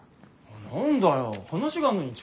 何だよ話があんのに遅刻？